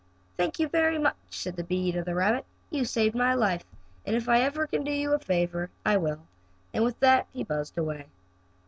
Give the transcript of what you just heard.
"Thank you very much," said the bee to the rabbit. "You saved my life, and if ever I can do you a favor I will," and with that he buzzed away.